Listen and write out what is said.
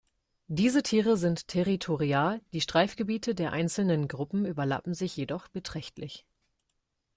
Diese Tiere sind territorial, die Streifgebiete der einzelnen Gruppen überlappen sich jedoch beträchtlich.